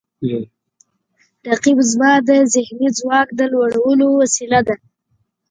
رقیب زما د ذهني ځواک د لوړولو وسیله ده